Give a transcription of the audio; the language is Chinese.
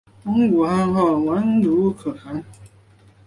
蒙古汗号完泽笃可汗。